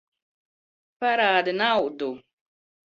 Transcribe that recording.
Parādi naudu!